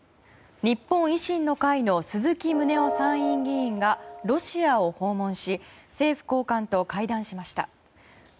日本維新の会の鈴木宗男参院議員がロシアを訪問し政府高官と会談しました。